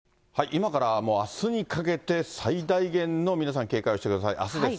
今からあすにかけて、最大限の皆さん、警戒をしてください。